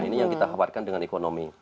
ini yang kita khawatirkan dengan ekonomi